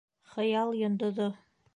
Хыял йондоҙо